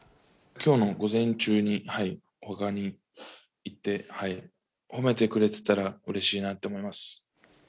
きょうの午前中にお墓に行って、褒めてくれてたらうれしいなと思います。